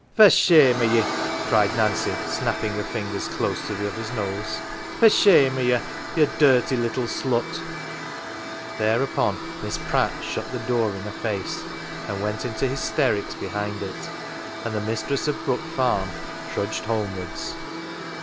" For shame of ye, 11 cried Nancy, snapping her fingers close to the other's nose. " For shame of ye, ye dirty little slut !" Thereupon Miss Pratt shut the door in her face, and went into hysterics behind it, and the mistress of Brook Farm trudged homewards.